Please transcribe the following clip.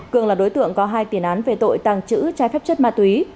cường là đối tượng có hai tiền án về tội tàng trữ trái phép chất ma túy